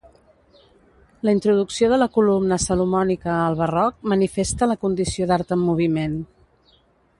La introducció de la columna salomònica al barroc manifesta la condició d'art en moviment.